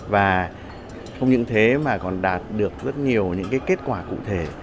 và không những thế mà còn đạt được rất nhiều những kết quả cụ thể